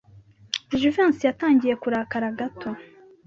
Jivency yatangiye kurakara gato.